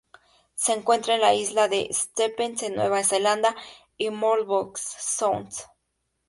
Se encuentra en la Isla de Stephens en Nueva Zelanda, y Marlborough Sounds.